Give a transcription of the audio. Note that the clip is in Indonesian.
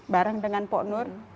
bareng dengan pok nur